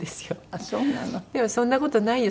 でも「そんな事ないよ。